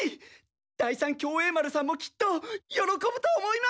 第三協栄丸さんもきっと喜ぶと思います。